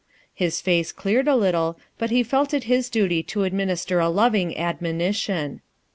His face cleared a little, but he felt it his duty to adminis ter a loving admonition.